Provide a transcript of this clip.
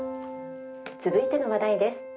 「続いての話題です。